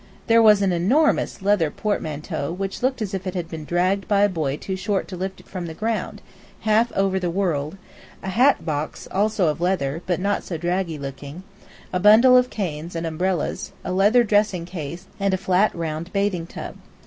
There was an enormous leather portmanteau which looked as if it had been dragged by a boy too short to lift it from the ground, half over the world; a hat box, also of leather, but not so draggy looking; a bundle of canes and umbrellas, a leather dressing case, and a flat, round bathing tub.